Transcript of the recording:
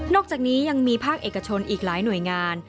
อกจากนี้ยังมีภาคเอกชนอีกหลายหน่วยงาน